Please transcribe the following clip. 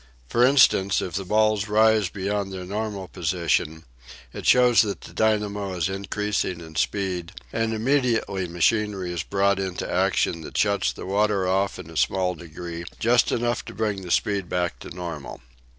For instance, if the balls rise beyond their normal position, it shows that the dynamo is increasing in speed, and immediately machinery is brought into action that shuts the water off in a small degree, just enough to bring the speed back to normal.